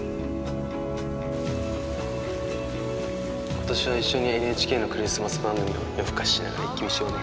今年は一緒にＮＨＫのクリスマス番組を夜更かししながらイッキ見しようね。